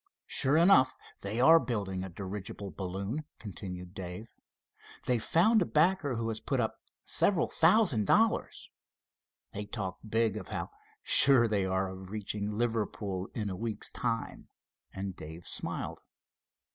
Sure enough, they are building a dirigible balloon," continued Dave. "They've found a backer who has put up several thousand dollars. They talk big of how sure they are of reaching Liverpool in a week's time," and Dave smiled.